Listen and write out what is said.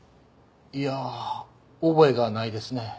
いや覚えがないですね。